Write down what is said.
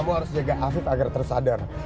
kamu harus jaga afif agar tersadar